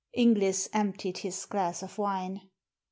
Inglis emptied his glass of wine.